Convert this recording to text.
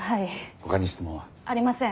他に質問は？ありません。